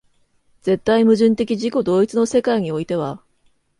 絶対矛盾的自己同一の世界においては、